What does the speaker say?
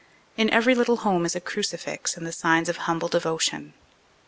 In every little home is a crucifix and the signs of humble devotion.